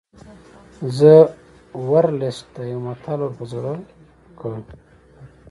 ده ورلسټ ته یو متل ور په زړه کړ.